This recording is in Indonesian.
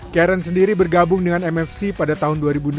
karen sendiri bergabung dengan mfc pada tahun dua ribu enam belas